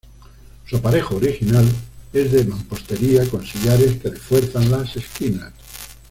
Su aparejo original es de mampostería con sillares que refuerzan las esquinas.